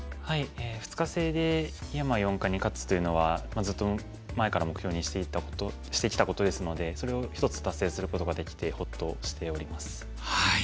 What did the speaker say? ２日制で井山四冠に勝つというのはずっと前から目標にしてきたことですのでそれを一つ達成することができてほっとしております。